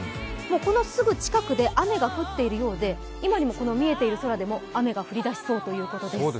このすぐ近くで雨が降っているようで、今にも、この見えている空でも雨が降り出しそうということです。